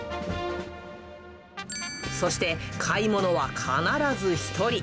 そして、買い物は必ず１人。